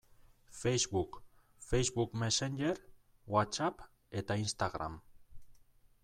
Facebook, Facebook Messenger, Whatsapp eta Instagram.